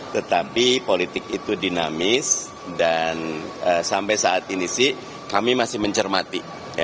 tetapi politik itu dinamis dan sampai saat ini sih kami masih mencermati